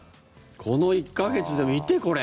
この１か月で、見てこれ。